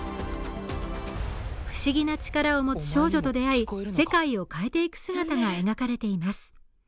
不思議な力を持つ少女と出会い、世界を変えていく姿が描かれています。